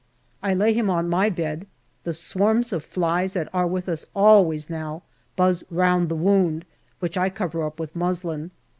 I lay him on my bed; the swarms of flies that are with us always now buzz round the wound, which I cover up with muslin.